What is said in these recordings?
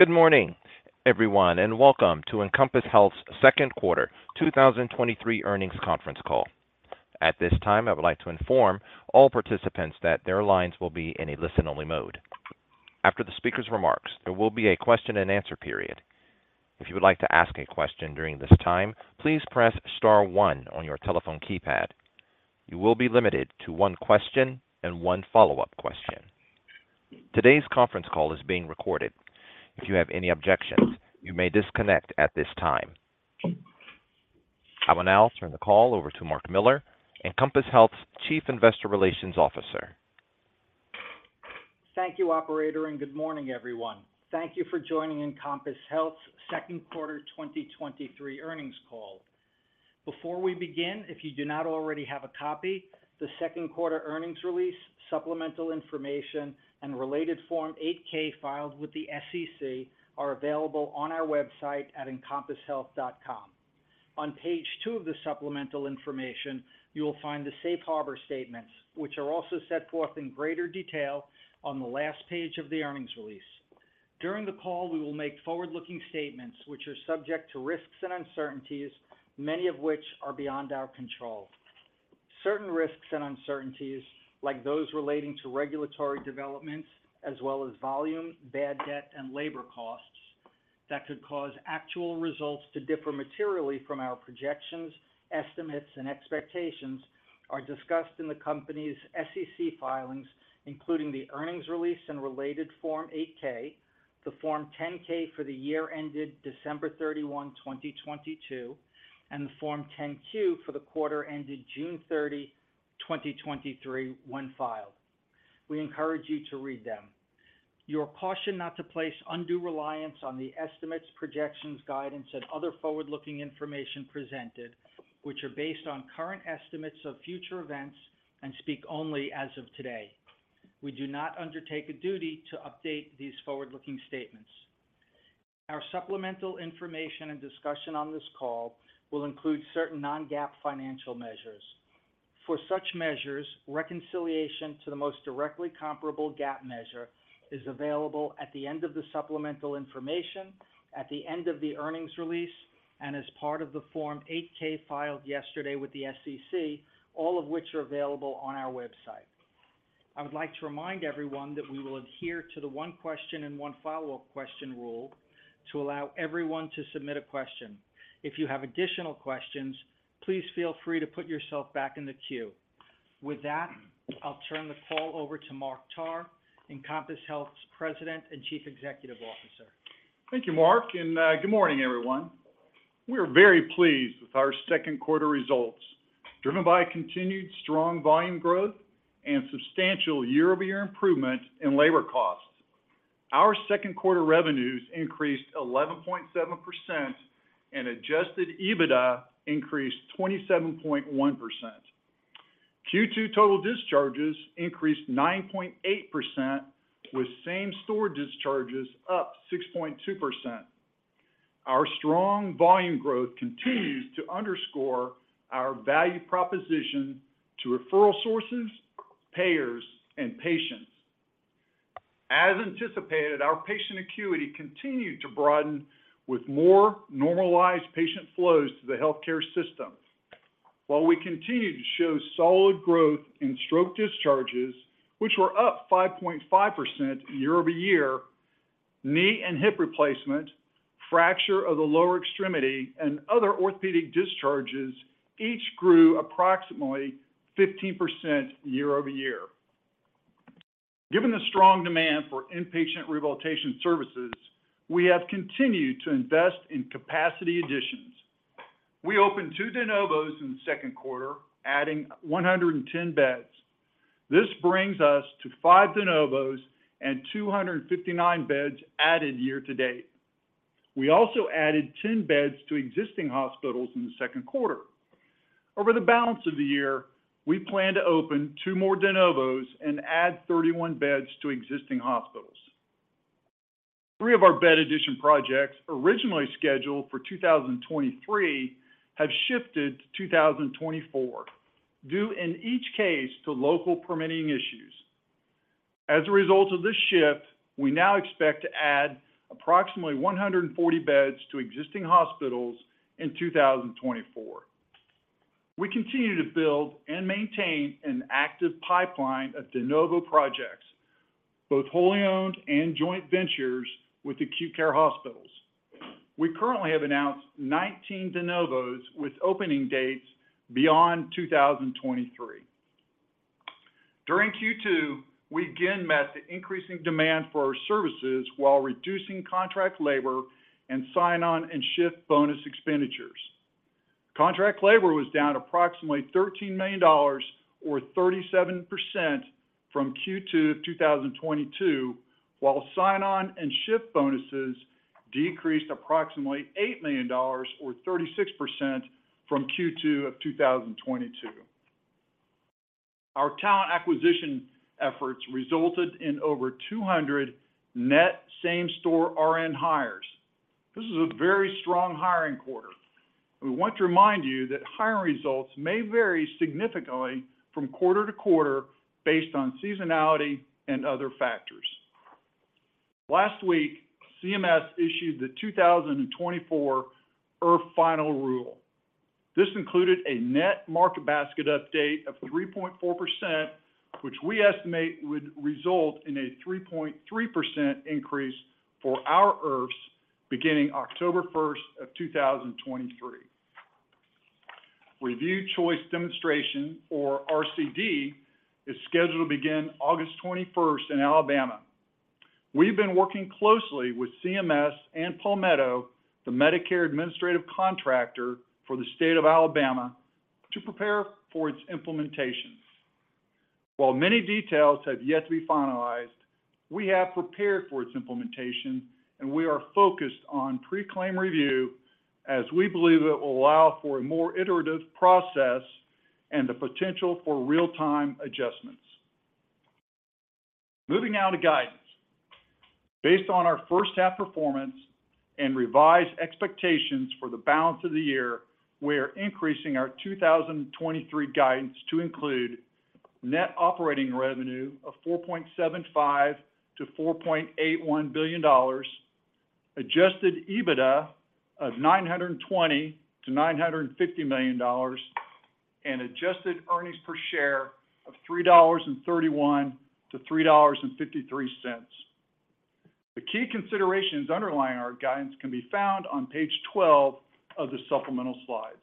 Good morning, everyone, and welcome to Encompass Health's second quarter, 2023 earnings conference call. At this time, I would like to inform all participants that their lines will be in a listen-only mode. After the speaker's remarks, there will be a question-and-answer period. If you would like to ask a question during this time, please press star one on your telephone keypad. You will be limited to one question and one follow-up question. Today's conference call is being recorded. If you have any objections, you may disconnect at this time. I will now turn the call over to Mark Miller, Encompass Health's Chief Investor Relations Officer. Thank you, operator. Good morning, everyone. Thank you for joining Encompass Health's second quarter 2023 earnings call. Before we begin, if you do not already have a copy, the second quarter earnings release, supplemental information, and related Form 8-K filed with the SEC are available on our website at encompasshealth.com. On page two of the supplemental information, you will find the safe harbor statements, which are also set forth in greater detail on the last page of the earnings release. During the call, we will make forward-looking statements which are subject to risks and uncertainties, many of which are beyond our control. Certain risks and uncertainties, like those relating to regulatory developments as well as volume, bad debt, and labor costs that could cause actual results to differ materially from our projections, estimates, and expectations are discussed in the company's SEC filings, including the earnings release and related Form 8-K, the Form 10-K for the year ended December 31, 2022, and the Form 10-Q for the quarter ended June 30, 2023, when filed. We encourage you to read them. You are cautioned not to place undue reliance on the estimates, projections, guidance, and other forward-looking information presented, which are based on current estimates of future events and speak only as of today. We do not undertake a duty to update these forward-looking statements. Our supplemental information and discussion on this call will include certain non-GAAP financial measures. For such measures, reconciliation to the most directly comparable GAAP measure is available at the end of the supplemental information, at the end of the earnings release, and as part of the Form 8-K filed yesterday with the SEC, all of which are available on our website. I would like to remind everyone that we will adhere to the one question and one follow-up question rule to allow everyone to submit a question. If you have additional questions, please feel free to put yourself back in the queue. With that, I'll turn the call over to Mark Tarr, Encompass Health's President and Chief Executive Officer. Thank you, Mark, and good morning, everyone. We are very pleased with our second quarter results, driven by continued strong volume growth and substantial year-over-year improvement in labor costs. Our second quarter revenues increased 11.7%, and adjusted EBITDA increased 27.1%. Q2 total discharges increased 9.8%, with same-store discharges up 6.2%. Our strong volume growth continues to underscore our value proposition to referral sources, payers, and patients. As anticipated, our patient acuity continued to broaden with more normalized patient flows to the healthcare system. While we continue to show solid growth in stroke discharges, which were up 5.5% year-over-year, knee and hip replacement, fracture of the lower extremity, and other orthopedic discharges each grew approximately 15% year-over-year. Given the strong demand for inpatient rehabilitation services, we have continued to invest in capacity additions. We opened two de novos in the second quarter, adding 110 beds. This brings us to five de novos and 259 beds added year to date. We also added 10 beds to existing hospitals in the second quarter. Over the balance of the year, we plan to open two more de novos and add 31 beds to existing hospitals. Three of our bed addition projects, originally scheduled for 2023, have shifted to 2024, due in each case to local permitting issues. As a result of this shift, we now expect to add approximately 140 beds to existing hospitals in 2024. We continue to build and maintain an active pipeline of de novo projects, both wholly owned and joint ventures with acute care hospitals. We currently have announced 19 de novos with opening dates beyond 2023. During Q2, we again met the increasing demand for our services while reducing contract labor and sign-on and shift bonus expenditures. Contract labor was down approximately $13 million, or 37% from Q2 of 2022, while sign-on and shift bonuses decreased approximately $8 million, or 36% from Q2 of 2022. Our talent acquisition efforts resulted in over 200 net same-store RN hires. This is a very strong hiring quarter. We want to remind you that hiring results may vary significantly from quarter-to-quarter based on seasonality and other factors. Last week, CMS issued the 2024 IRF final rule. This included a net market basket update of 3.4%, which we estimate would result in a 3.3% increase for our IRFs beginning October 1st of 2023. Review Choice Demonstration, or RCD, is scheduled to begin August 21st in Alabama. We've been working closely with CMS and Palmetto, the Medicare Administrative Contractor for the state of Alabama, to prepare for its implementation. While many details have yet to be finalized, we have prepared for its implementation, and we are focused on pre-claim review, as we believe it will allow for a more iterative process and the potential for real-time adjustments. Moving now to guidance. Based on our first half performance and revised expectations for the balance of the year, we are increasing our 2023 guidance to include net operating revenue of $4.75 billion-$4.81 billion, adjusted EBITDA of $920 million-$950 million, and adjusted earnings per share of $3.31-$3.53. The key considerations underlying our guidance can be found on page 12 of the supplemental slides.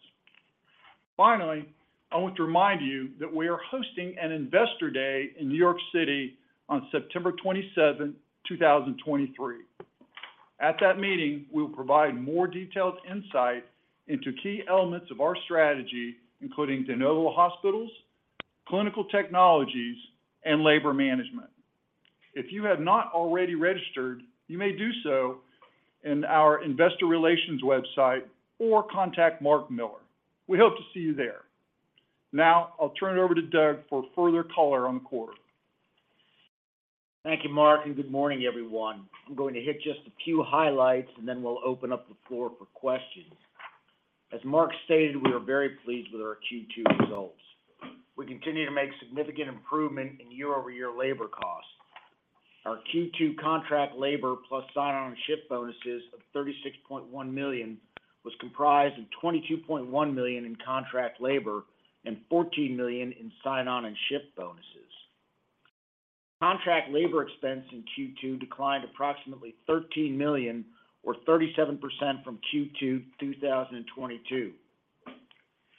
Finally, I want to remind you that we are hosting an Investor Day in New York City on September 27, 2023. At that meeting, we will provide more detailed insight into key elements of our strategy, including de novo hospitals, clinical technologies, and labor management. If you have not already registered, you may do so in our investor relations website or contact Mark Miller. We hope to see you there. Now, I'll turn it over to Doug for further color on the quarter. Thank you, Mark, and good morning, everyone. I'm going to hit just a few highlights, and then we'll open up the floor for questions. As Mark stated, we are very pleased with our Q2 results. We continue to make significant improvement in year-over-year labor costs. Our Q2 contract labor plus sign-on and shift bonuses of $36.1 million was comprised of $22.1 million in contract labor and $14 million in sign-on and shift bonuses. Contract labor expense in Q2 declined approximately $13 million or 37% from Q2 2022.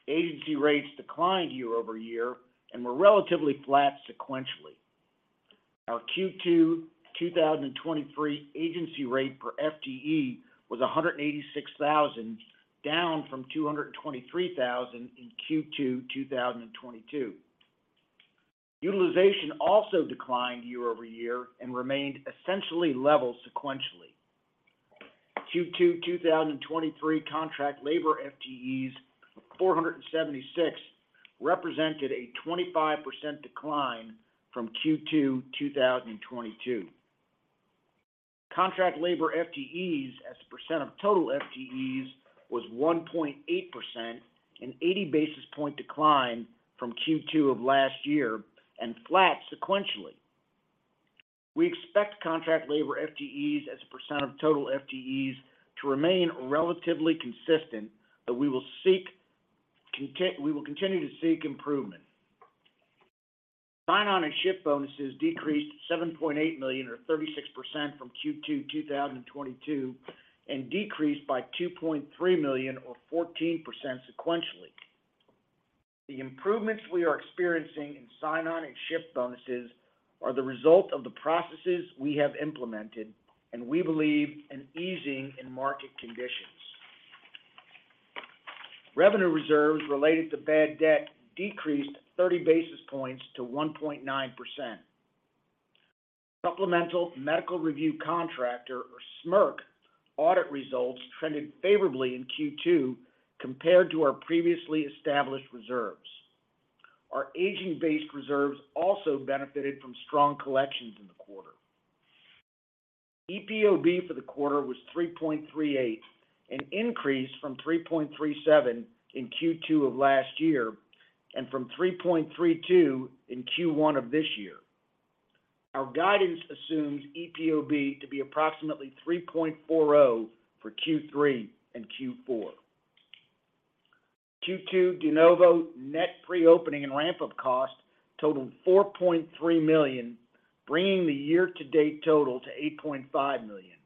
Agency rates declined year-over-year and were relatively flat sequentially. Our Q2 2023 agency rate per FTE was $186,000, down from $223,000 in Q2 2022. Utilization also declined year-over-year and remained essentially level sequentially. Q2 2023 contract labor FTEs of 476 represented a 25% decline from Q2 2022. Contract labor FTEs as a percent of total FTEs was 1.8%, an 80-basis point decline from Q2 of last year and flat sequentially. We expect contract labor FTEs as a percent of total FTEs to remain relatively consistent, but we will continue to seek improvement. Sign-on and shift bonuses decreased $7.8 million, or 36% from Q2 2022, and decreased by $2.3 million, or 14% sequentially. The improvements we are experiencing in sign-on and shift bonuses are the result of the processes we have implemented, and we believe an easing in market conditions. Revenue reserves related to bad debt decreased 30 basis points to 1.9%. Supplemental Medical Review Contractor, or SMRC, audit results trended favorably in Q2 compared to our previously established reserves. Our aging-based reserves also benefited from strong collections in the quarter. EPOB for the quarter was 3.38, an increase from 3.37 in Q2 of last year and from 3.32 in Q1 of this year. Our guidance assumes EPOB to be approximately 3.40 for Q3 and Q4. Q2 de novo net pre-opening and ramp-up costs totaled $4.3 million, bringing the year-to-date total to $8.5 million.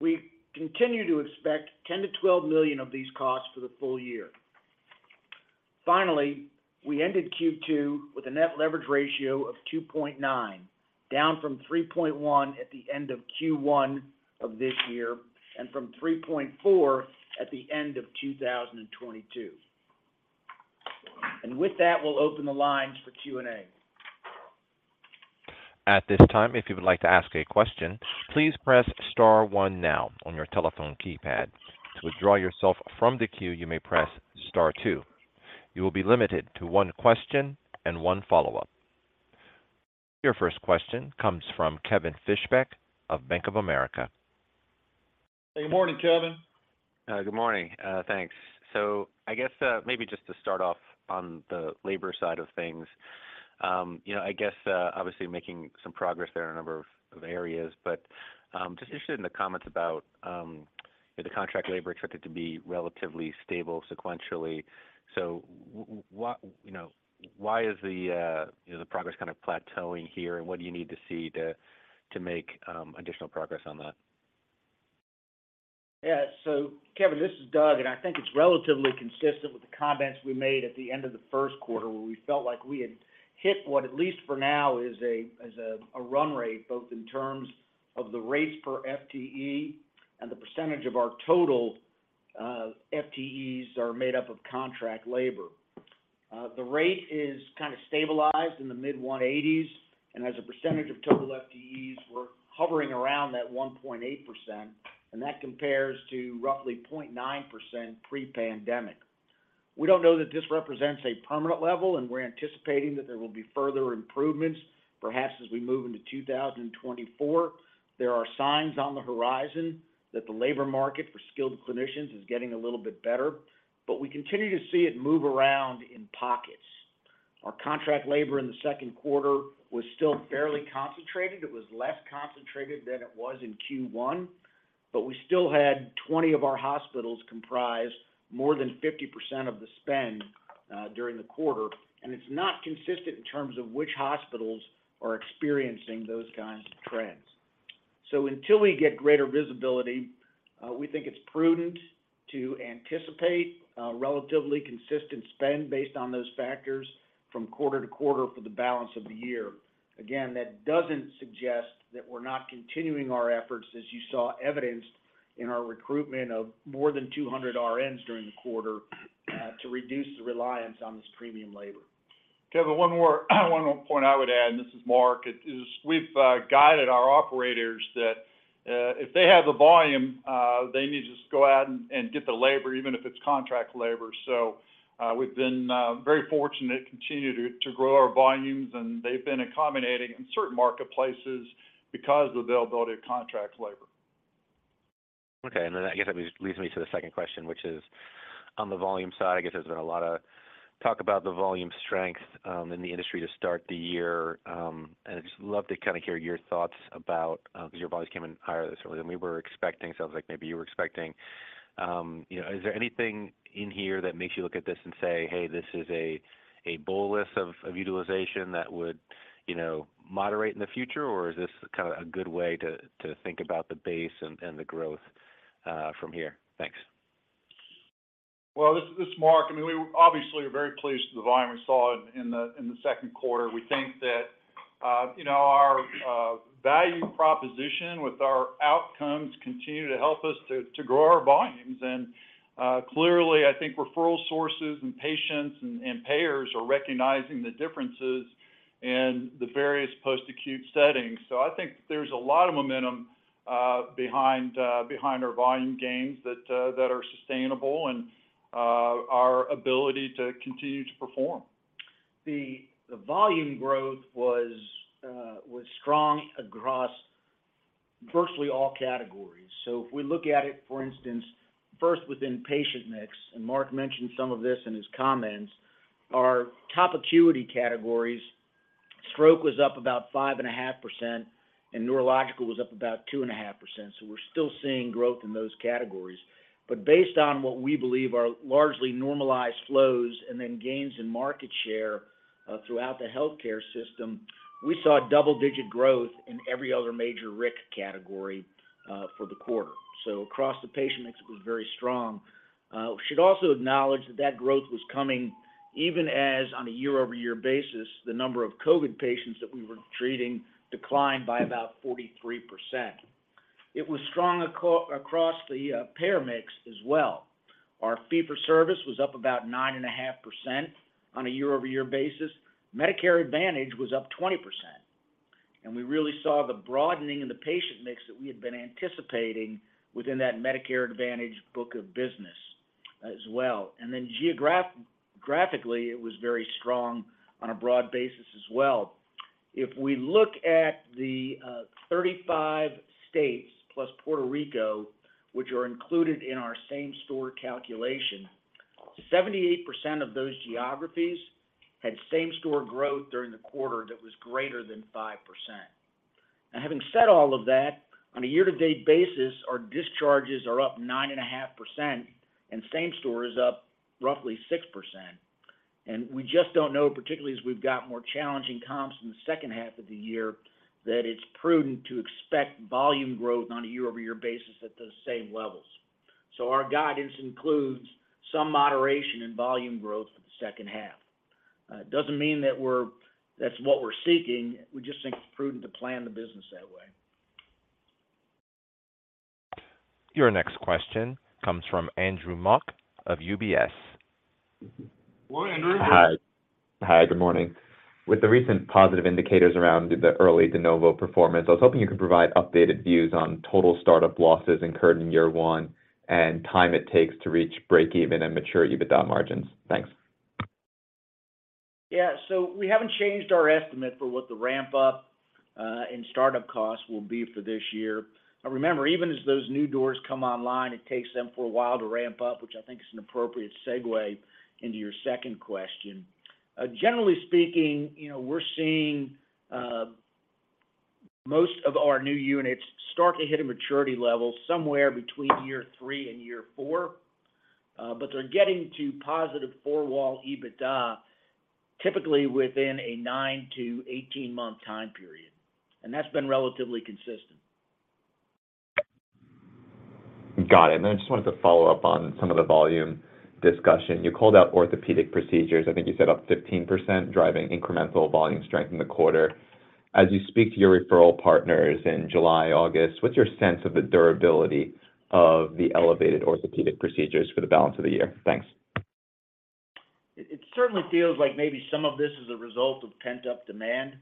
We continue to expect $10 million-$12 million of these costs for the full year. Finally, we ended Q2 with a net leverage ratio of 2.9x, down from 3.1x at the end of Q1 of this year and from 3.4x at the end of 2022. With that, we'll open the lines for Q&A. At this time, if you would like to ask a question, please press star one now on your telephone keypad. To withdraw yourself from the queue, you may press star two. You will be limited to one question and one follow-up. Your first question comes from Kevin Fischbeck of Bank of America. Good morning, Kevin. Good morning, thanks. I guess, maybe just to start off on the labor side of things, you know, I guess, obviously making some progress there in a number of areas. Just interested in the comments about the contract labor expected to be relatively stable sequentially. What, you know, why is the, you know, the progress kind of plateauing here, and what do you need to see to make additional progress on that? Yeah. Kevin, this is Doug, and I think it's relatively consistent with the comments we made at the end of the first quarter, where we felt like we had hit what, at least for now, is a, is a, a run rate, both in terms of the rates per FTE and the percentage of our total FTEs are made up of contract labor. The rate is kind of stabilized in the mid 180s, and as a percentage of total FTEs, we're hovering around that 1.8%, and that compares to roughly 0.9% pre-pandemic. We don't know that this represents a permanent level, and we're anticipating that there will be further improvements, perhaps as we move into 2024. There are signs on the horizon that the labor market for skilled clinicians is getting a little bit better. We continue to see it move around in pockets. Our contract labor in the second quarter was still fairly concentrated. It was less concentrated than it was in Q1. We still had 20 of our hospitals comprise more than 50% of the spend during the quarter, and it's not consistent in terms of which hospitals are experiencing those kinds of trends. Until we get greater visibility, we think it's prudent to anticipate a relatively consistent spend based on those factors from quarter-to-quarter for the balance of the year. That doesn't suggest that we're not continuing our efforts, as you saw evidenced in our recruitment of more than 200 RNs during the quarter, to reduce the reliance on this premium labor. Kevin, one more, one more point I would add, and this is Mark, it is we've guided our operators that, if they have the volume, they need to just go out and, and get the labor, even if it's contract labor. We've been very fortunate to continue to, to grow our volumes, and they've been accommodating in certain marketplaces because of the availability of contract labor. Okay, then I guess that leads me to the second question, which is on the volume side, I guess there's been a lot of talk about the volume strength in the industry to start the year. I'd just love to kind of hear your thoughts about because your volumes came in higher this quarter than we were expecting. Sounds like maybe you were expecting, you know—is there anything in here that makes you look at this and say, "Hey, this is a bolus of utilization that would, you know, moderate in the future?" Or is this kind of a good way to think about the base and the growth from here? Thanks. Well, this is Mark. I mean, we obviously are very pleased with the volume we saw in the, in the second quarter. We think that, you know, our value proposition with our outcomes continue to help us to, to grow our volumes. Clearly, I think referral sources and patients and, and payers are recognizing the differences in the various post-acute settings. I think there's a lot of momentum behind behind our volume gains that are sustainable and our ability to continue to perform. The volume growth was strong across virtually all categories. If we look at it, for instance, first within patient mix, and Mark mentioned some of this in his comments, our top acuity categories, stroke was up about 5.5%, and neurological was up about 2.5%. We're still seeing growth in those categories. Based on what we believe are largely normalized flows and then gains in market share throughout the healthcare system, we saw double-digit growth in every other major RIC category for the quarter. Across the patient mix, it was very strong. We should also acknowledge that that growth was coming even as, on a year-over-year basis, the number of COVID patients that we were treating declined by about 43%. It was strong across the payer mix as well. Our fee for service was up about 9.5% on a year-over-year basis. Medicare Advantage was up 20%, and we really saw the broadening in the patient mix that we had been anticipating within that Medicare Advantage book of business as well. Then graphically, it was very strong on a broad basis as well. If we look at the 35 states, plus Puerto Rico, which are included in our same-store calculation, 78% of those geographies had same-store growth during the quarter that was greater than 5%. Having said all of that, on a year-to-date basis, our discharges are up 9.5%, and same-store is up roughly 6%. We just don't know, particularly as we've got more challenging comps in the second half of the year, that it's prudent to expect volume growth on a year-over-year basis at those same levels. Our guidance includes some moderation in volume growth for the second half. It doesn't mean that's what we're seeking. We just think it's prudent to plan the business that way. Your next question comes from Andrew Mok of UBS. Good morning, Andrew. Hi. Hi, good morning. With the recent positive indicators around the early de novo performance, I was hoping you could provide updated views on total startup losses incurred in year one and time it takes to reach breakeven and mature EBITDA margins. Thanks. Yeah, we haven't changed our estimate for what the ramp up, and startup costs will be for this year. Now remember, even as those new doors come online, it takes them for a while to ramp up, which I think is an appropriate segue into your second question. Generally speaking, you know, we're seeing most of our new units start to hit a maturity level somewhere between year three and year four. But they're getting to positive four-wall EBITDA, typically within a 9- to 18-month time period, and that's been relatively consistent. Got it. I just wanted to follow up on some of the volume discussion. You called out orthopedic procedures, I think you said up 15%, driving incremental volume strength in the quarter. As you speak to your referral partners in July, August, what's your sense of the durability of the elevated orthopedic procedures for the balance of the year? Thanks. It, it certainly feels like maybe some of this is a result of pent-up demand.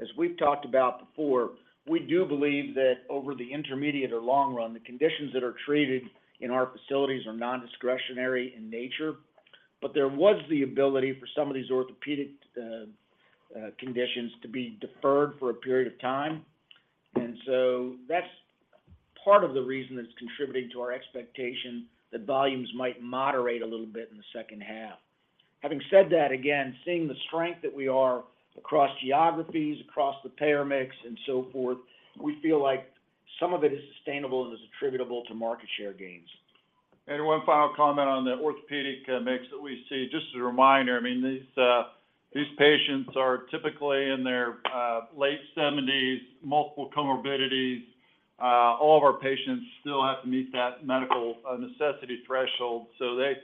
As we've talked about before, we do believe that over the intermediate or long run, the conditions that are treated in our facilities are nondiscretionary in nature, but there was the ability for some of these orthopedic conditions to be deferred for a period of time. So that's part of the reason that's contributing to our expectation that volumes might moderate a little bit in the second half. Having said that, again, seeing the strength that we are across geographies, across the payer mix, and so forth, we feel like some of it is sustainable and is attributable to market share gains. One final comment on the orthopedic mix that we see. Just as a reminder, I mean, these these patients are typically in their late seventies, multiple comorbidities. All of our patients still have to meet that medical necessity threshold. They,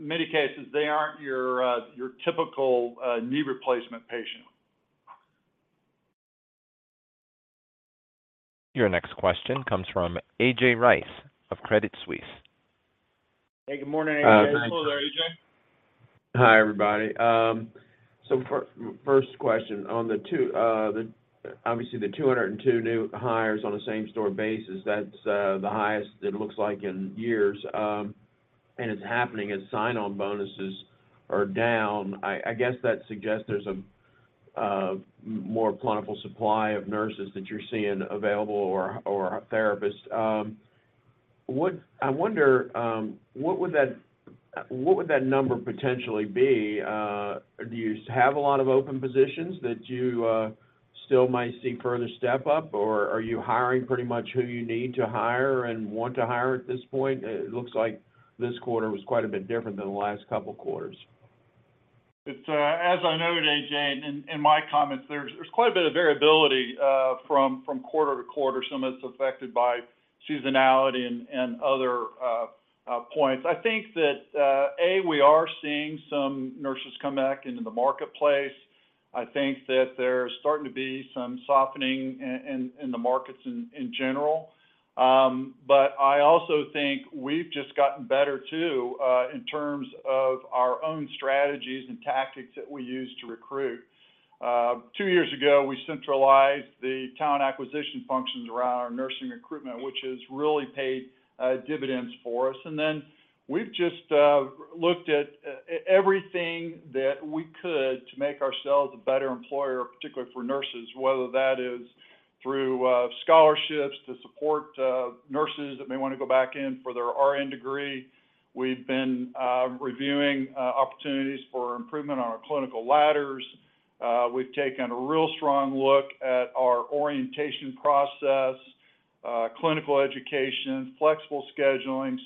many cases, they aren't your your typical knee replacement patient. Your next question comes from A.J. Rice of Credit Suisse. Hey, good morning, A.J. Hello there, A.J. Hi, everybody. First question on the two, obviously, the 202 new hires on a same-store basis, that's, the highest it looks like in years, and it's happening as sign-on bonuses are down. I, I guess that suggests there's a, more plentiful supply of nurses that you're seeing available or, or therapists. What I wonder, what would that, what would that number potentially be? Do you have a lot of open positions that you, still might see further step up, or are you hiring pretty much who you need to hire and want to hire at this point? It looks like this quarter was quite a bit different than the last couple of quarters. It's, as I noted, A.J., in my comments, there's, there's quite a bit of variability, from, from quarter-to-quarter. Some of it's affected by seasonality and, and other points. I think that we are seeing some nurses come back into the marketplace. I think that there's starting to be some softening in, in, in the markets in, in general. I also think we've just gotten better, too, in terms of our own strategies and tactics that we use to recruit. Two years ago, we centralized the talent acquisition functions around our nursing recruitment, which has really paid dividends for us. Then we've just looked at everything that we could to make ourselves a better employer, particularly for nurses, whether that is through scholarships to support nurses that may want to go back in for their RN degree. We've been reviewing opportunities for improvement on our clinical ladders. We've taken a real strong look at our orientation process, clinical education, flexible scheduling.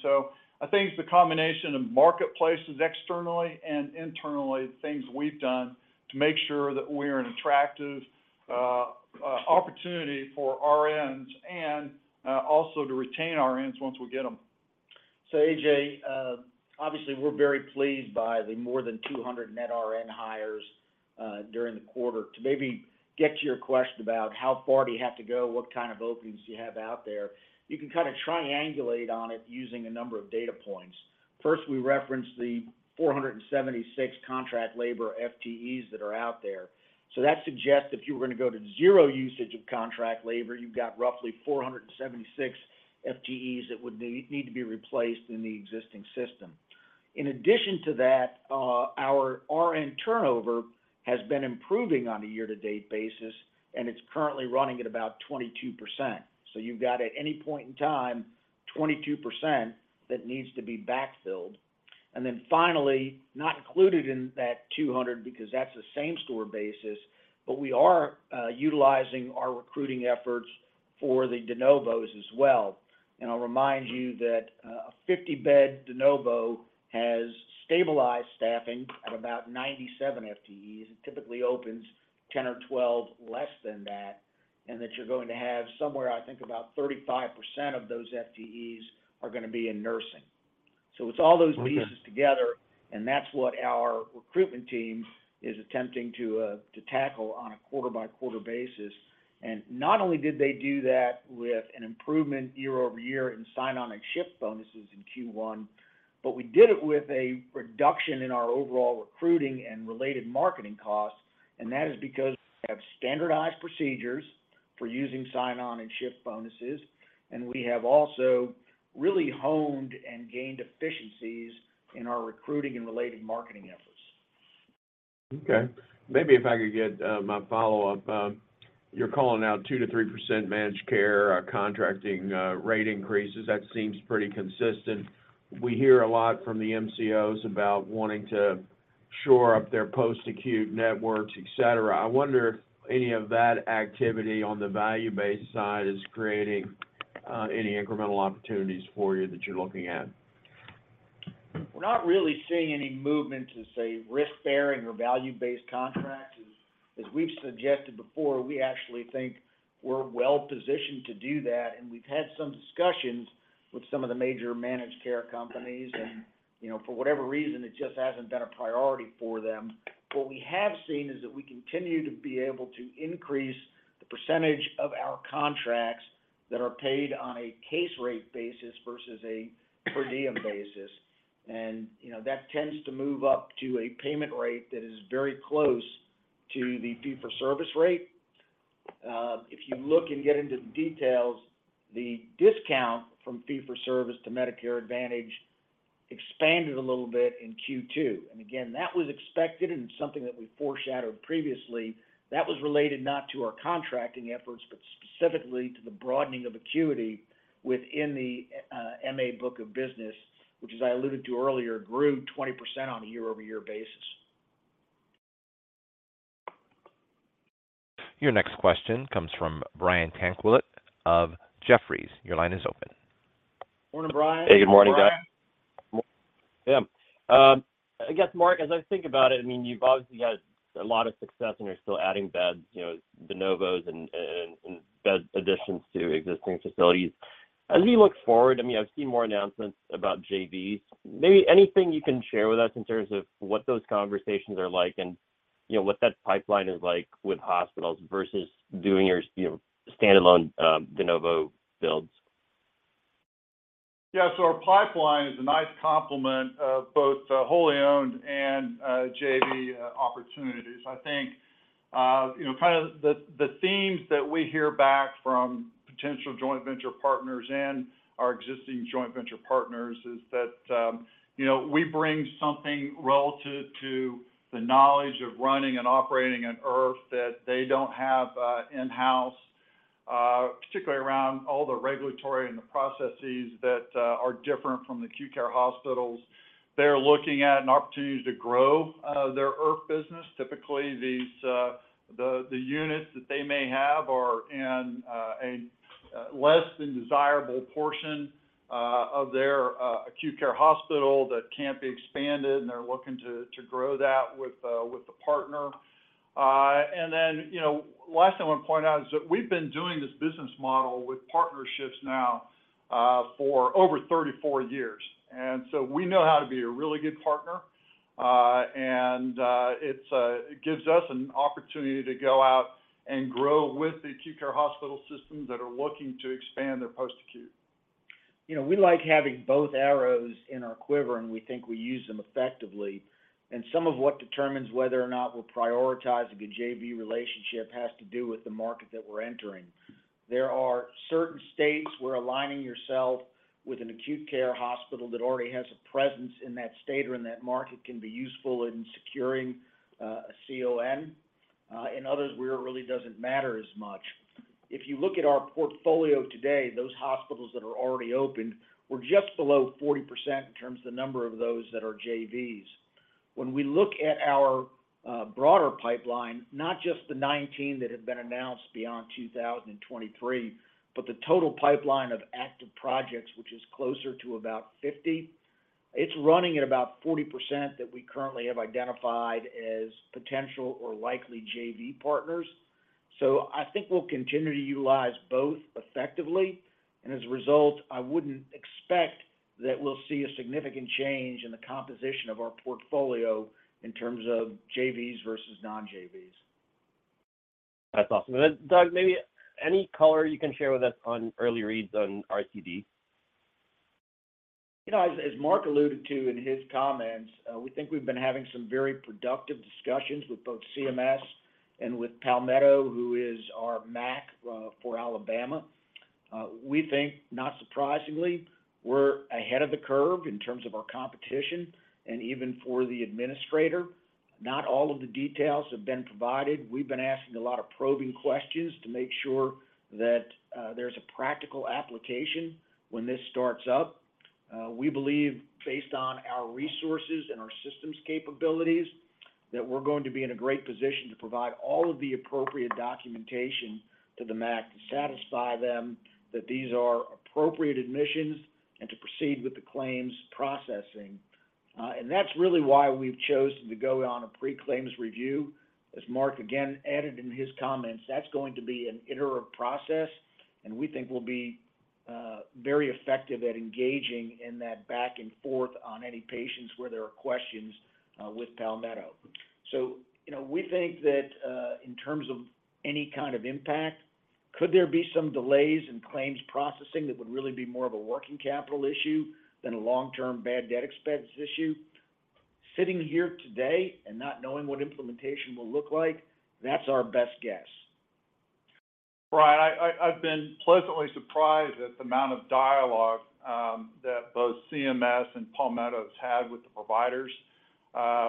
I think it's the combination of marketplaces externally and internally, things we've done to make sure that we are an attractive opportunity for RNs and also to retain RNs once we get them. A.J., obviously, we're very pleased by the more than 200 net RN hires during the quarter. To maybe get to your question about how far do you have to go, what kind of openings do you have out there? You can kinda triangulate on it using a number of data points. First, we referenced the 476 contract labor FTEs that are out there. That suggests if you were going to go to zero usage of contract labor, you've got roughly 476 FTEs that would need, need to be replaced in the existing system. In addition to that, our RN turnover has been improving on a year-to-date basis, and it's currently running at about 22%. You've got, at any point in time, 22% that needs to be backfilled. Then finally, not included in that 200, because that's the same-store basis, but we are utilizing our recruiting efforts for the de novos as well. I'll remind you that a 50-bed de novo has stabilized staffing at about 97 FTEs, it typically opens 10 or 12 less than that, and that you're going to have somewhere, I think about 35% of those FTEs are gonna be in nursing. It's all those pieces. together, and that's what our recruitment team is attempting to tackle on a quarter-by-quarter basis. Not only did they do that with an improvement year-over-year in sign-on and shift bonuses in Q1, but we did it with a reduction in our overall recruiting and related marketing costs, and that is because we have standardized procedures for using sign-on and shift bonuses, and we have also really honed and gained efficiencies in our recruiting and related marketing efforts. Okay. Maybe if I could get my follow-up. You're calling out 2%-3% managed care, contracting, rate increases. That seems pretty consistent. We hear a lot from the MCOs about wanting to shore up their post-acute networks, et cetera. I wonder if any of that activity on the value-based side is creating any incremental opportunities for you that you're looking at? We're not really seeing any movement to, say, risk-bearing or value-based contracting. As we've suggested before, we actually think we're well positioned to do that, and we've had some discussions with some of the major managed care companies, and, you know, for whatever reason, it just hasn't been a priority for them. What we have seen is that we continue to be able to increase the % of our contracts that are paid on a case rate basis versus a per diem basis. You know, that tends to move up to a payment rate that is very close to the fee-for-service rate. If you look and get into the details, the discount from fee-for-service to Medicare Advantage expanded a little bit in Q2. Again, that was expected and something that we foreshadowed previously. That was related not to our contracting efforts, but specifically to the broadening of acuity within the MA book of business, which, as I alluded to earlier, grew 20% on a year-over-year basis. Your next question comes from Brian Tanquilut of Jefferies. Your line is open. Morning, Brian. Hey, good morning, guys. Yeah, I guess, Mark, as I think about it, I mean, you've obviously had a lot of success, and you're still adding beds, you know, de novos and, and, and bed additions to existing facilities. As we look forward, I mean, I've seen more announcements about JVs. Maybe anything you can share with us in terms of what those conversations are like and, you know, what that pipeline is like with hospitals versus doing your, you know, standalone, de novo builds? Our pipeline is a nice complement of both wholly owned and JV opportunities. I think, you know, kind of the, the themes that we hear back from potential joint venture partners and our existing joint venture partners is that, you know, we bring something relative to the knowledge of running and operating an IRF that they don't have in-house, particularly around all the regulatory and the processes that are different from the acute care hospitals. They're looking at an opportunity to grow their IRF business. Typically, these, the, the units that they may have are in a less than desirable portion of their acute care hospital that can't be expanded, and they're looking to, to grow that with a partner. Then, you know, last thing I want to point out is that we've been doing this business model with partnerships now, for over 34 years, and so we know how to be a really good partner. It's, it gives us an opportunity to go out and grow with the acute care hospital systems that are looking to expand their post-acute. You know, we like having both arrows in our quiver, and we think we use them effectively. Some of what determines whether or not we'll prioritize a good JV relationship has to do with the market that we're entering. There are certain states where aligning yourself with an acute care hospital that already has a presence in that state or in that market can be useful in securing a CON. In others, where it really doesn't matter as much. If you look at our portfolio today, those hospitals that are already open, we're just below 40% in terms of the number of those that are JVs. When we look at our broader pipeline, not just the 19 that have been announced beyond 2023, but the total pipeline of active projects, which is closer to about 50, it's running at about 40% that we currently have identified as potential or likely JV partners. I think we'll continue to utilize both effectively, and as a result, I wouldn't expect that we'll see a significant change in the composition of our portfolio in terms of JVs versus non-JVs. That's awesome. Doug, maybe any color you can share with us on early reads on RCD? You know, as, as Mark alluded to in his comments, we think we've been having some very productive discussions with both CMS and with Palmetto, who is our MAC, for Alabama. We think, not surprisingly, we're ahead of the curve in terms of our competition and even for the administrator. Not all of the details have been provided. We've been asking a lot of probing questions to make sure that, there's a practical application when this starts up. We believe, based on our resources and our systems capabilities, that we're going to be in a great position to provide all of the appropriate documentation to the MAC to satisfy them that these are appropriate admissions and to proceed with the claims processing. That's really why we've chosen to go on a pre-claim review. As Mark, again, added in his comments, that's going to be an iterative process, and we think we'll be very effective at engaging in that back and forth on any patients where there are questions with Palmetto. You know, we think that, in terms of any kind of impact, could there be some delays in claims processing that would really be more of a working capital issue than a long-term bad debt expense issue? Sitting here today and not knowing what implementation will look like, that's our best guess. Brian, I, I, I've been pleasantly surprised at the amount of dialogue, that both CMS and Palmetto has had with the providers.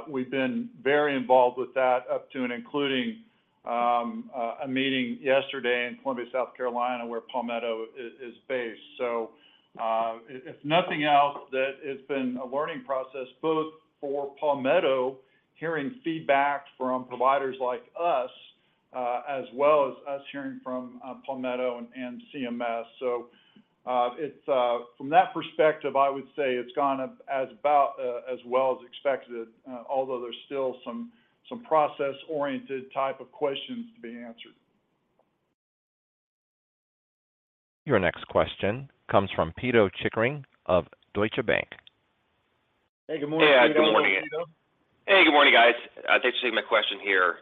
We've been very involved with that, up to and including, a meeting yesterday in Columbia, South Carolina, where Palmetto is, is based. If, if nothing else, that it's been a learning process, both for Palmetto, hearing feedback from providers like us, as well as us hearing from, Palmetto and, and CMS. It's, from that perspective, I would say it's gone as about, as well as expected, although there's still some, some process-oriented type of questions to be answered. Your next question comes from Pito Chickering of Deutsche Bank. Hey, good morning, Pito. Good morning, Pito. Hey, good morning, guys. Thanks for taking my question here.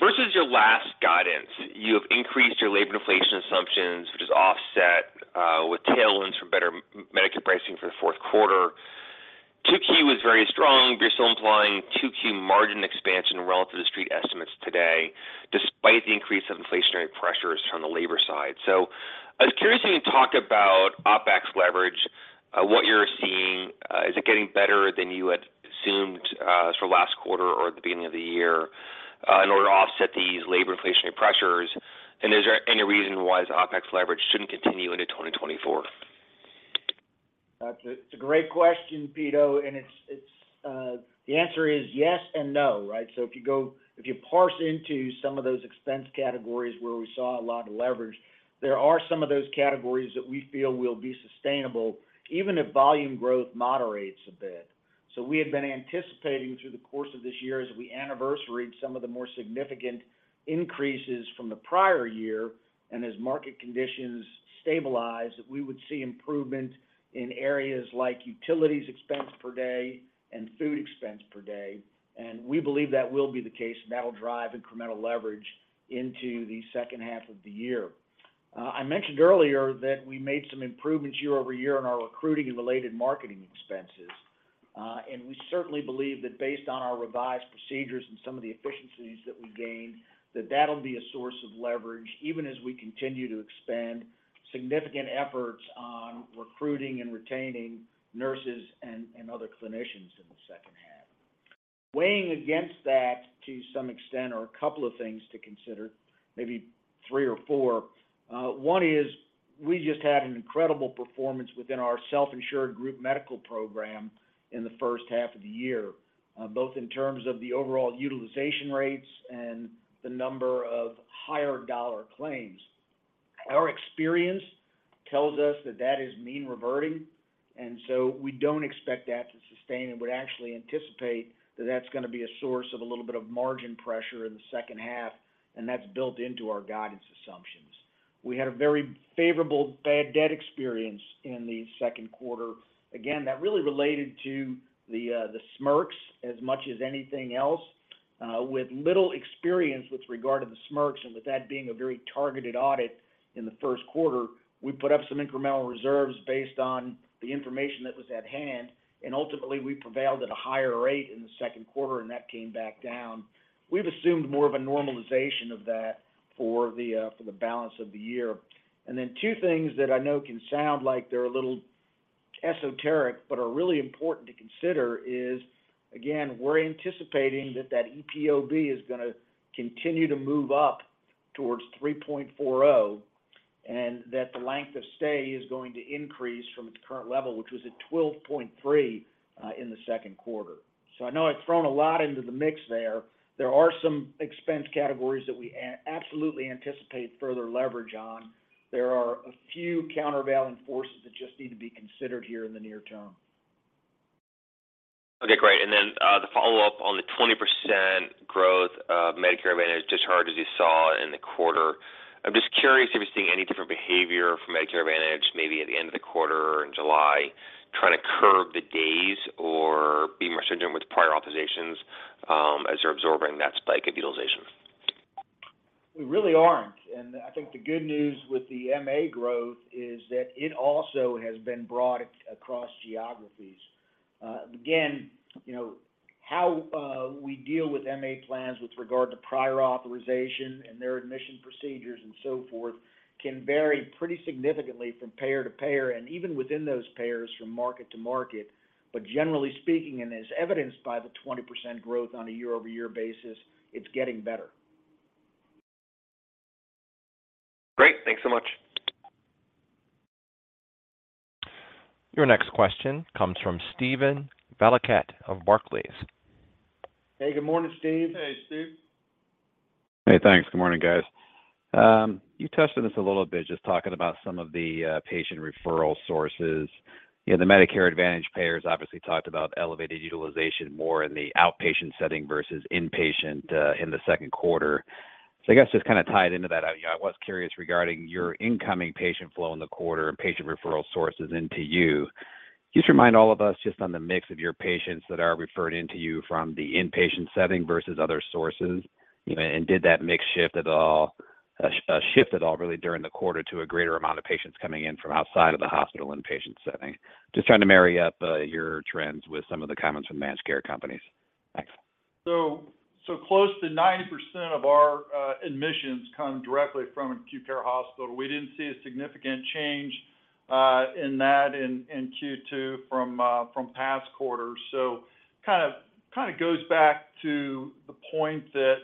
Versus your last guidance, you have increased your labor inflation assumptions, which is offset with tailwinds from better Medicare pricing for the fourth quarter. Q2 was very strong. You're still implying Q2 margin expansion relative to the Street estimates today, despite the increase of inflationary pressures from the labor side. I was curious if you can talk about OpEx leverage, what you're seeing. Is it getting better than you had assumed for last quarter or the beginning of the year in order to offset these labor inflationary pressures? Is there any reason why the OpEx leverage shouldn't continue into 2024? That's It's a great question, Pito, and it's, it's, the answer is yes and no, right? If you parse into some of those expense categories where we saw a lot of leverage, there are some of those categories that we feel will be sustainable, even if volume growth moderates a bit. We had been anticipating through the course of this year, as we anniversaried some of the more significant increases from the prior year, and as market conditions stabilized, that we would see improvement in areas like utilities expense per day and food expense per day. We believe that will be the case, and that'll drive incremental leverage into the second half of the year. I mentioned earlier that we made some improvements year-over-year in our recruiting and related marketing expenses. We certainly believe that based on our revised procedures and some of the efficiencies that we gained, that that'll be a source of leverage, even as we continue to expand significant efforts on recruiting and retaining nurses and other clinicians in the second half. Weighing against that, to some extent, are a couple of things to consider, maybe three or four. One is, we just had an incredible performance within our self-insured group medical program in the first half of the year, both in terms of the overall utilization rates and the number of higher dollar claims. Our experience tells us that that is mean reverting, and so we don't expect that to sustain and would actually anticipate that that's gonna be a source of a little bit of margin pressure in the second half, and that's built into our guidance assumptions. We had a very favorable bad debt experience in the second quarter. Again, that really related to the, the SMRC as much as anything else. With little experience with regard to the SMRC, and with that being a very targeted audit in the first quarter, we put up some incremental reserves based on the information that was at hand, and ultimately, we prevailed at a higher rate in the second quarter, and that came back down. We've assumed more of a normalization of that for the, for the balance of the year. Then two things that I know can sound like they're a little esoteric, but are really important to consider is, again, we're anticipating that that EPOB is gonna continue to move up towards 3.4 and that the length of stay is going to increase from its current level, which was at 12.3 in the 2Q. I know I've thrown a lot into the mix there. There are some expense categories that we absolutely anticipate further leverage on. There are a few countervailing forces that just need to be considered here in the near term. Okay, great. Then, the follow-up on the 20% growth of Medicare Advantage discharges you saw in the quarter, I'm just curious if you're seeing any different behavior from Medicare Advantage, maybe at the end of the quarter or in July, trying to curb the days or being more stringent with prior authorizations, as you're absorbing that spike in utilization? We really aren't, and I think the good news with the MA growth is that it also has been broad across geographies. Again, you know, how we deal with MA plans with regard to prior authorization and their admission procedures and so forth, can vary pretty significantly from payer to payer, and even within those payers, from market to market. Generally speaking, and as evidenced by the 20% growth on a year-over-year basis, it's getting better. Great. Thanks so much. Your next question comes from Steven Valiquette of Barclays. Hey, good morning, Steve. Hey, Steve. Hey, thanks. Good morning, guys. You touched on this a little bit, just talking about some of the patient referral sources. You know, the Medicare Advantage payers obviously talked about elevated utilization more in the outpatient setting versus inpatient in the second quarter. I guess just kinda tied into that, you know, I was curious regarding your incoming patient flow in the quarter and patient referral sources into you. Can you just remind all of us just on the mix of your patients that are referred into you from the inpatient setting versus other sources, you know, and did that mix shift at all? A shift at all really during the quarter to a greater amount of patients coming in from outside of the hospital inpatient setting? Just trying to marry up your trends with some of the comments from managed care companies. Thanks. So close to 90% of our admissions come directly from an acute care hospital. We didn't see a significant change in that in, in Q2 from past quarters. Kind of, kinda goes back to the point that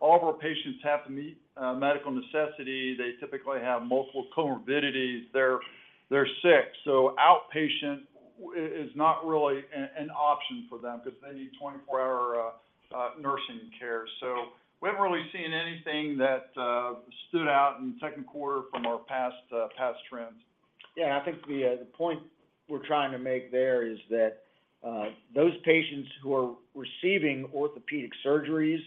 all of our patients have to meet medical necessity. They typically have multiple comorbidities. They're sick, so outpatient is not really an option for them, 'cause they need 24-hour nursing care. We haven't really seen anything that stood out in the second quarter from our past past trends. Yeah, I think the point we're trying to make there is that those patients who are receiving orthopedic surgeries,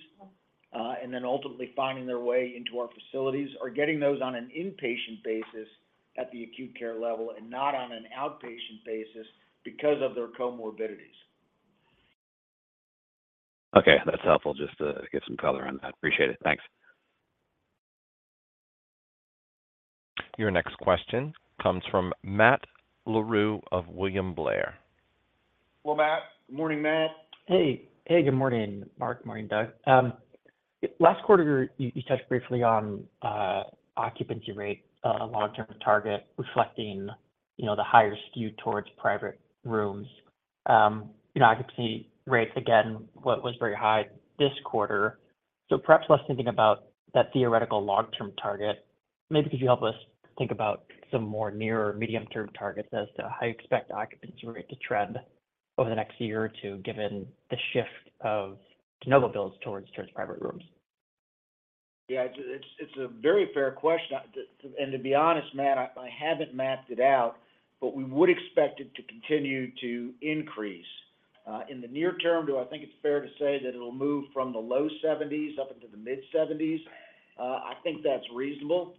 and then ultimately finding their way into our facilities, are getting those on an inpatient basis at the acute care level and not on an outpatient basis because of their comorbidities. Okay, that's helpful, just to get some color on that. Appreciate it. Thanks. Your next question comes from Matt Larew of William Blair. Hello, Matt. Good morning, Matt. Hey, hey, good morning, Mark. Morning, Doug. Last quarter, you, you touched briefly on occupancy rate, long-term target, reflecting, you know, the higher skew towards private rooms. Occupancy rates again, was very high this quarter. Perhaps less thinking about that theoretical long-term target, maybe could you help us think about some more near- or medium-term targets as to how you expect the occupancy rate to trend over the next year or two, given the shift of de novo builds towards private rooms? Yeah, it's, it's a very fair question. To be honest, Matt, I, I haven't mapped it out, but we would expect it to continue to increase. In the near term, do I think it's fair to say that it'll move from the low 70s up into the mid-70s? I think that's reasonable.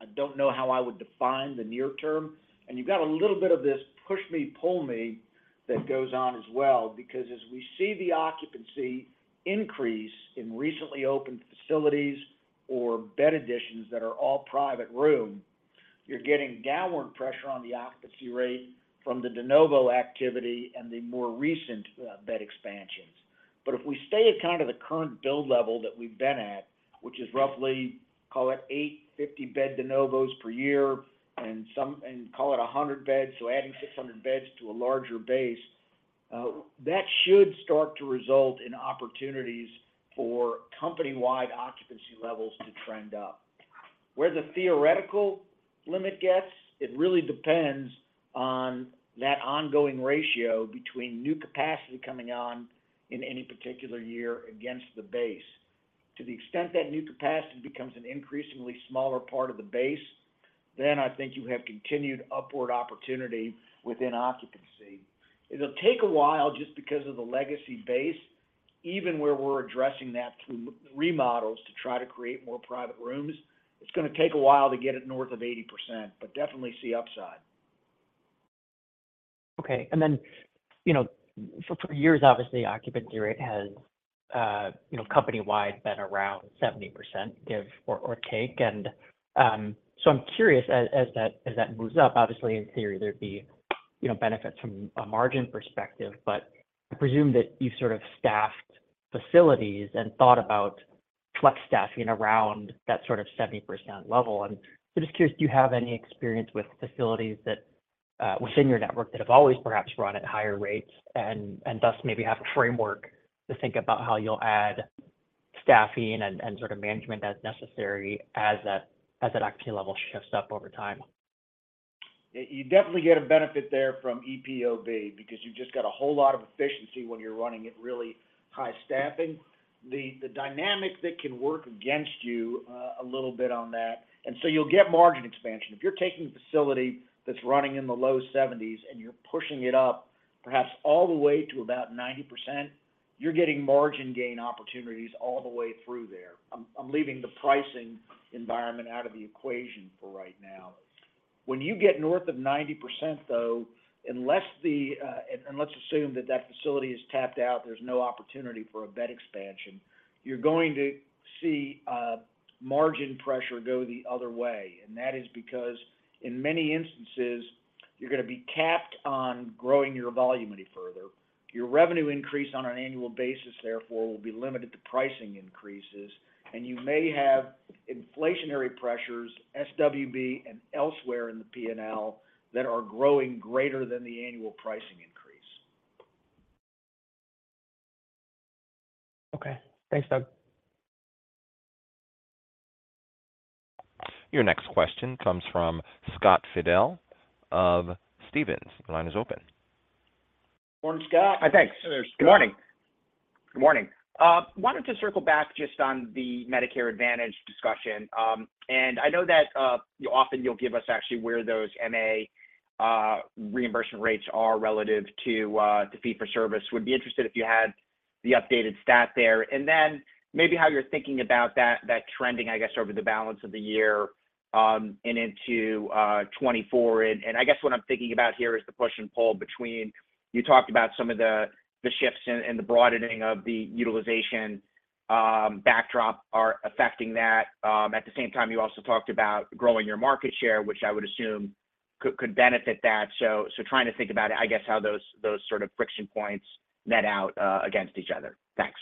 I don't know how I would define the near term, and you've got a little bit of this push me, pull me that goes on as well, because as we see the occupancy increase in recently opened facilities or bed additions that are all private room, you're getting downward pressure on the occupancy rate from the de novo activity and the more recent, bed expansions. If we stay at kind of the current build level that we've been at, which is roughly, call it 850-bed de novos per year and call it 100 beds, so adding 600 beds to a larger base, that should start to result in opportunities for company-wide occupancy levels to trend up. Where the theoretical limit gets, it really depends on that ongoing ratio between new capacity coming on in any particular year against the base. To the extent that new capacity becomes an increasingly smaller part of the base, then I think you have continued upward opportunity within occupancy. It'll take a while just because of the legacy base, even where we're addressing that through remodels to try to create more private rooms. It's gonna take a while to get it north of 80%, but definitely see upside. Okay. You know, for, for years, obviously, occupancy rate has, you know, company-wide been around 70%, give or, or take. I'm curious, as, as that, as that moves up, obviously in theory, there'd be, you know, benefits from a margin perspective, but I presume that you've sort of staffed facilities and thought about flex staffing around that sort of 70% level. Just curious, do you have any experience with facilities that, within your network that have always perhaps run at higher rates and, and thus maybe have a framework to think about how you'll add staffing and, and sort of management as necessary as that, as that occupancy level shifts up over time? You definitely get a benefit there from EPOB, because you've just got a whole lot of efficiency when you're running at really high staffing. The, the dynamic that can work against you, a little bit on that, and so you'll get margin expansion. If you're taking a facility that's running in the low 70s, and you're pushing it up, perhaps all the way to about 90%, you're getting margin gain opportunities all the way through there. I'm, I'm leaving the pricing environment out of the equation for right now. When you get north of 90%, though, unless the, and, and let's assume that that facility is tapped out, there's no opportunity for a bed expansion, you're going to see margin pressure go the other way. That is because, in many instances, you're gonna be capped on growing your volume any further. Your revenue increase on an annual basis, therefore, will be limited to pricing increases, and you may have inflationary pressures, SWB and elsewhere in the P&L, that are growing greater than the annual pricing increase. Okay. Thanks, Doug. Your next question comes from Scott Fidel of Stephens. Your line is open. Morning, Scott. Hi, thanks. Hey there, Scott. Good morning. Good morning. Wanted to circle back just on the Medicare Advantage discussion. I know that you often you'll give us actually where those MA reimbursement rates are relative to fee-for-service. Would be interested if you had the updated stat there, and then maybe how you're thinking about that, that trending, I guess, over the balance of the year and into 2024? I guess what I'm thinking about here is the push and pull between. You talked about some of the, the shifts and the broadening of the utilization backdrop are affecting that. At the same time, you also talked about growing your market share, which I would assume could, could benefit that. Trying to think about, I guess, how those, those sort of friction points net out against each other. Thanks.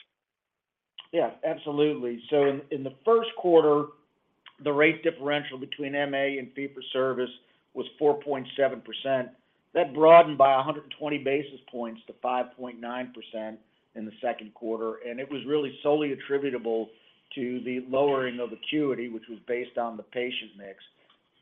Yeah, absolutely. In, in the first quarter, the rate differential between MA and fee-for-service was 4.7%. That broadened by 120 basis points to 5.9% in the second quarter, and it was really solely attributable to the lowering of acuity, which was based on the patient mix.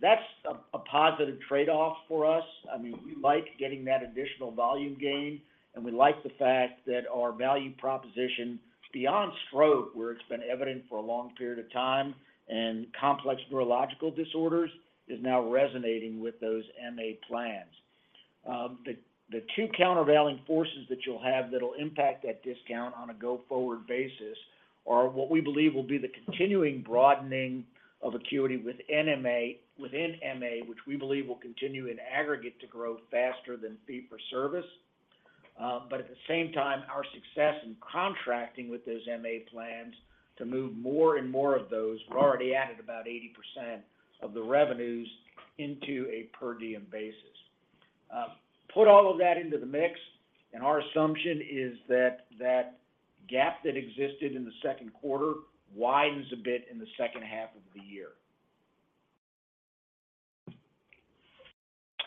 That's a, a positive trade-off for us. I mean, we like getting that additional volume gain, and we like the fact that our value proposition, beyond stroke, where it's been evident for a long period of time, and complex neurological disorders, is now resonating with those MA plans. The, the two countervailing forces that you'll have that'll impact that discount on a go-forward basis are what we believe will be the continuing broadening of acuity within MA, within MA, which we believe will continue in aggregate to grow faster than fee-for-service. At the same time, our success in contracting with those MA plans to move more and more of those, we've already added about 80% of the revenues into a per diem basis. Put all of that into the mix, our assumption is that that gap that existed in the second quarter widens a bit in the second half of the year.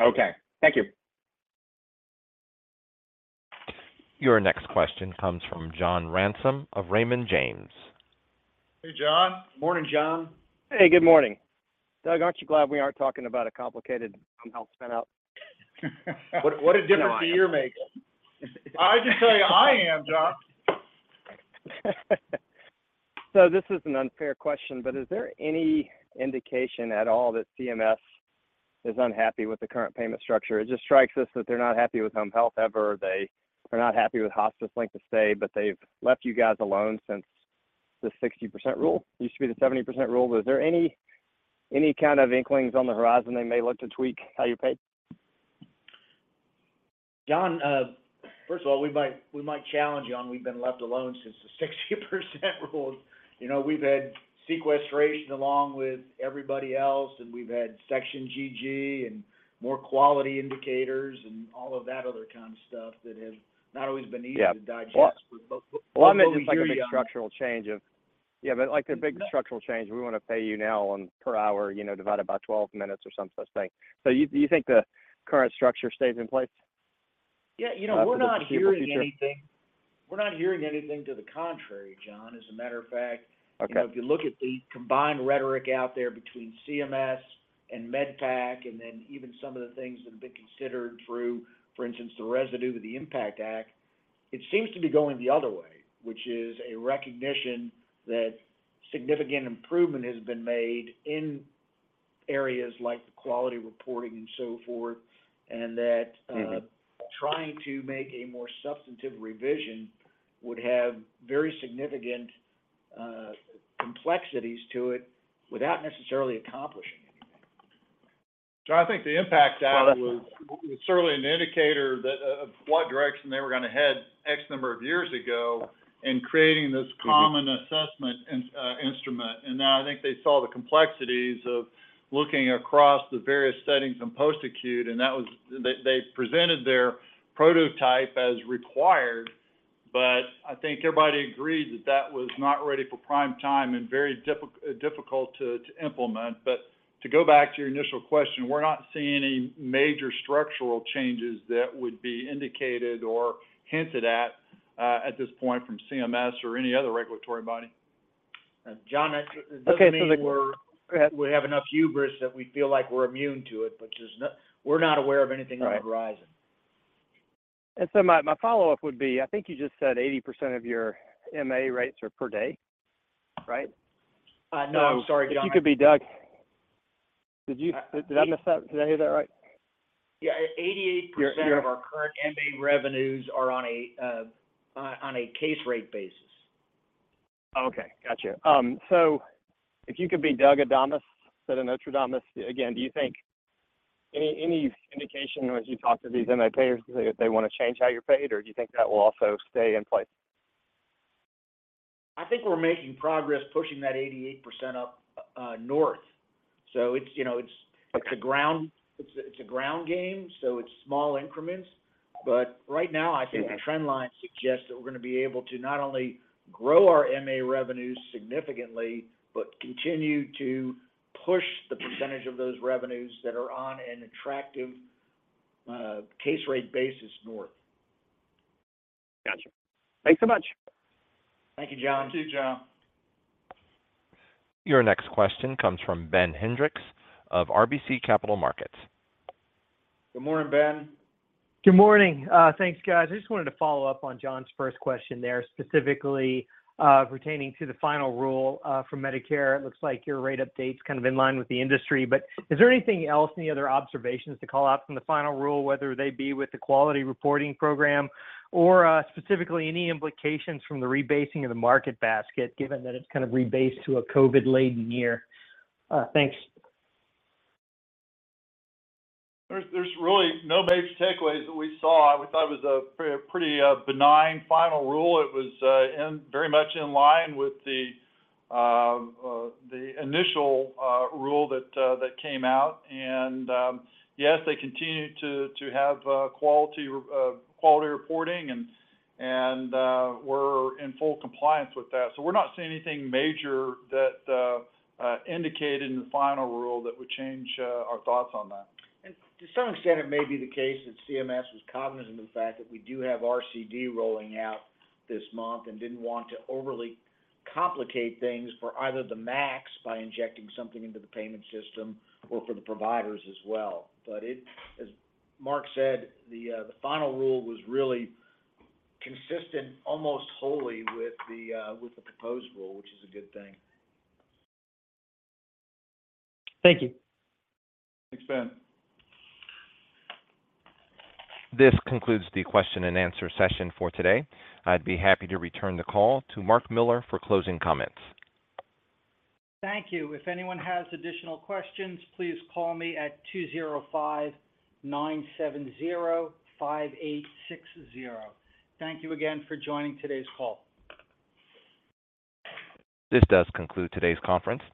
Okay. Thank you. Your next question comes from John Ransom of Raymond James. Hey, John. Morning, John. Hey, good morning. Doug, aren't you glad we aren't talking about a complicated home health spin out? What, what a difference a year makes? I can tell you I am, John. This is an unfair question, but is there any indication at all that CMS is unhappy with the current payment structure? It just strikes us that they're not happy with home health ever. They are not happy with hospice length of stay, but they've left you guys alone since the 60% Rule. It used to be the 70% Rule, but is there any kind of inklings on the horizon they may look to tweak how you're paid? John, first of all, we might, we might challenge you on we've been left alone since the 60% Rule. You know, we've had sequestration along with everybody else, and we've had Section GG and more quality indicators and all of that other kind of stuff that has not always been easy— Yeah. To digest, but we hear you, John. I'm just hearing a structural change. Yeah, but, like, the big structural change, we want to pay you now on per hour, you know, divided by 12 minutes or some such thing. You, do you think the current structure stays in place? Yeah, you know, we're not hearing anything. We're not hearing anything to the contrary, John. As a matter of fact— Okay. If you look at the combined rhetoric out there between CMS and MedPAC, and then even some of the things that have been considered through, for instance, the residue of the IMPACT Act, it seems to be going the other way, which is a recognition that significant improvement has been made in areas like the quality reporting and so forth, and that trying to make a more substantive revision would have very significant complexities to it without necessarily accomplishing anything. I think the IMPACT Act was certainly an indicator that of what direction they were going to head X number of years ago in creating this common assessment in instrument. Now I think they saw the complexities of looking across the various settings in post-acute, and that was. They, they presented their prototype as required, but I think everybody agreed that that was not ready for prime time and very difficult to, to implement. To go back to your initial question, we're not seeing any major structural changes that would be indicated or hinted at at this point from CMS or any other regulatory body. John, it doesn't mean we're—we have enough hubris that we feel like we're immune to it, but just we're not aware of anything on the horizon. Right. So my, my follow-up would be, I think you just said 80% of your MA rates are per day, right? No, I'm sorry, John. If you could be, Doug—did I miss that? Did I hear that right? Yeah, 88% of our current MA revenues are on a case rate basis. Okay, gotcha. If you could be "Dougadamus," sort of Nostradamus, again, do you think any, any indication as you talk to these MA payers that they want to change how you're paid, or do you think that will also stay in place? I think we're making progress pushing that 88% up, north. So it's, you know, it's a ground game, so it's small increments. But right now, I think the trend line suggests that we're going to be able to not only grow our MA revenues significantly, but continue to push the percentage of those revenues that are on an attractive, case rate basis north. Gotcha. Thanks so much. Thank you, John. Thank you, John. Your next question comes from Ben Hendrix of RBC Capital Markets. Good morning, Ben. Good morning. Thanks, guys. I just wanted to follow up on John's first question there, specifically pertaining to the final rule from Medicare. It looks like your rate update's kind of in line with the industry, but is there anything else, any other observations to call out from the final rule, whether they be with the quality reporting program or specifically any implications from the rebasing of the market basket, given that it's kind of rebased to a COVID-laden year? Thanks. There's, there's really no major takeaways that we saw. We thought it was a pretty benign final rule. It was in very much in line with the initial rule that came out. Yes, they continued to, to have quality, quality reporting and, and we're in full compliance with that. We're not seeing anything major that indicated in the final rule that would change our thoughts on that. To some extent, it may be the case that CMS was cognizant of the fact that we do have RCD rolling out this month and didn't want to overly complicate things for either the MACs, by injecting something into the payment system or for the providers as well. As Mark said, the final rule was really consistent, almost wholly with the proposed rule, which is a good thing. Thank you. Thanks, Ben. This concludes the question and answer session for today. I'd be happy to return the call to Mark Miller for closing comments. Thank you. If anyone has additional questions, please call me at 205-970-5860. Thank you again for joining today's call. This does conclude today's conference.